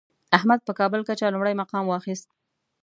احمد په کابل کچه لومړی مقام واخیست.